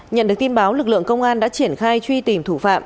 nhận được tin báo lực lượng công an đã triển khai truy tìm thủ phạm